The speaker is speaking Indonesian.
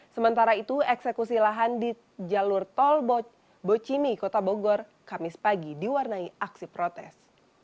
sementara itu eksekusi lahan di jalur tol bocimi kota bogor kamis pagi diwarnai aksi protes